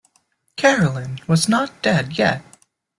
"Carolyn" was not dead-yet.